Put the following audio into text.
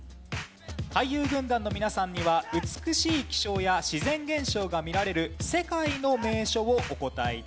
俳優軍団の皆さんには美しい気象や自然現象が見られる世界の名所をお答え頂きます。